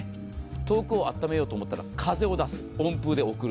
遠くをあっためようと思ったら、風を出す、温風で送る。